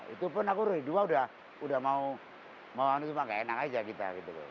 itu pun aku udah dua udah mau mau ini cuma gak enak aja kita